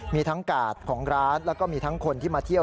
มีทั้งกาดของร้านแล้วก็มีทั้งคนที่มาเที่ยว